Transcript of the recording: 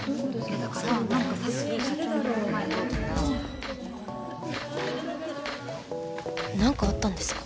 いやだから何かさっき社長の部屋の前通ったら何かあったんですか？